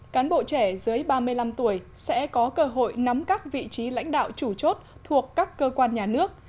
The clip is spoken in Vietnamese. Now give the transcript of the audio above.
cán bộ trẻ dưới ba mươi năm tuổi sẽ có cơ hội nắm các vị trí lãnh đạo chủ chốt thuộc các cơ quan nhà nước